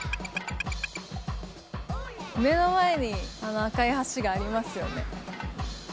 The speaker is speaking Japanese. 目の前にあの赤い橋がありますよね。